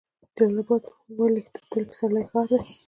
جلال اباد ولې د تل پسرلي ښار دی؟